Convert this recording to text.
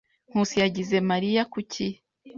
Nkusi yagize Mariya kuki.